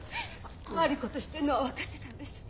悪いことしてんのは分かってたんです。